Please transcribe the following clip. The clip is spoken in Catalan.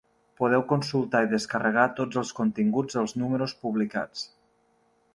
Podeu consultar i descarregar tots els continguts dels números publicats.